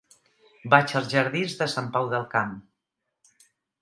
Vaig als jardins de Sant Pau del Camp.